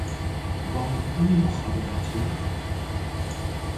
واحدهای مخابراتی